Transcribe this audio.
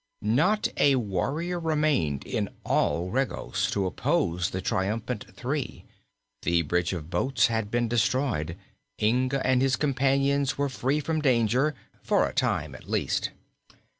Not a warrior remained in all Regos to oppose the triumphant three; the bridge of boats had been destroyed; Inga and his companions were free from danger for a time, at least.